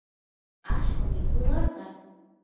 allqo mikudor kan